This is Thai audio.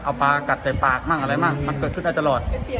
เอาปลากัดใส่ปากมั่งอะไรมั่งมันเกิดขึ้นได้ตลอด